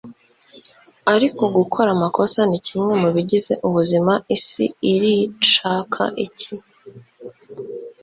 ariko gukora amakosa ni kimwe mu bigize ubuzima isi iranshaka iki